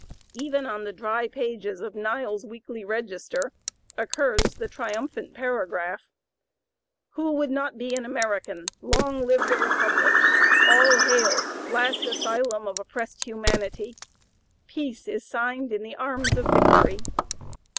Even on the dry pages of Niles's "Weekly Register" occurs the triumphant paragraph: "Who would not be an American? Long live the Republic! All hail! last asylum (p. 097) of oppressed humanity! Peace is signed in the arms of victory!"